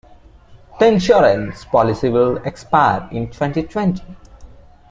The insurance policy will expire in twenty-twenty.